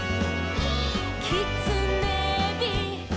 「きつねび」「」